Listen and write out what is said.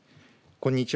こんにちは。